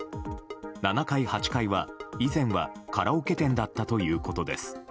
７階、８階は以前はカラオケ店だったということです。